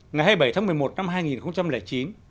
ngày hai mươi bảy tháng một mươi một năm hai nghìn chín